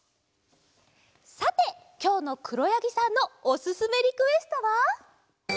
さてきょうのくろやぎさんのおすすめリクエストは？